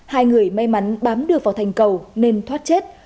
hai người may mắn bám được vào thành cầu nên thoát chết